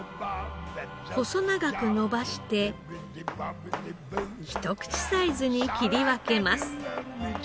細長く延ばしてひと口サイズに切り分けます。